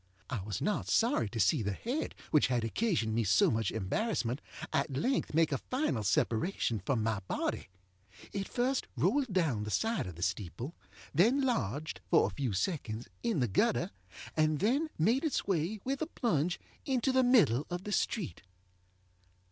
I was not sorry to see the head which had occasioned me so much embarrassment at length make a final separation from my body. It first rolled down the side of the steeple, then lodge, for a few seconds, in the gutter, and then made its way, with a plunge, into the middle of the street.